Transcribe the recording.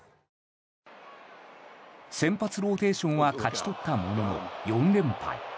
先発ローテーションは勝ち取ったものの、４連敗。